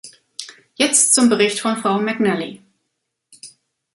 Jetzt zum Bericht von Frau McNally.